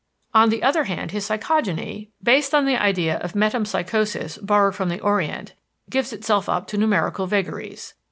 On the other hand, his psychogony, based on the idea of metempsychosis borrowed from the Orient, gives itself up to numerical vagaries.